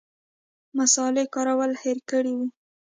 مصالې کارول هېر کړي وو.